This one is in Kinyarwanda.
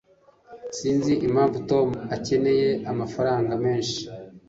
sinzi impamvu tom akeneye amafaranga menshi